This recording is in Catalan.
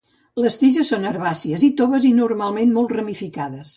Les tiges són herbàcies i toves i normalment molt ramificades.